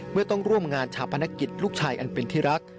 เมื่อต้องร่วมงานชาปนกิจลูกชายอันเป็นที่รัก